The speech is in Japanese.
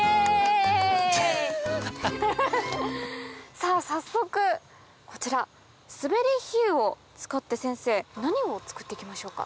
さぁ早速こちらスベリヒユを使って先生何を作って行きましょうか。